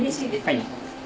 はい。